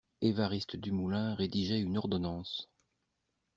Évariste Dumoulin rédigeait une ordonnance.